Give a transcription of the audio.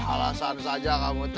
alasan saja kamu